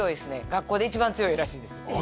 学校で一番強いらしいですあ